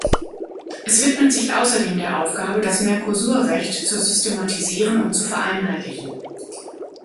Es widmet sich außerdem der Aufgabe, das Mercosur-Recht zu systematisieren und zu vereinheitlichen.